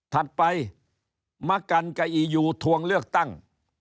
ถัดไปมะกันกับอียูทวงเลือกตั้ง